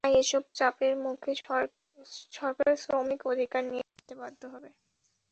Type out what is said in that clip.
তাই এসব চাপের মুখে সরকার শ্রমিক অধিকার নিয়ে ভাবতে বাধ্য হবে।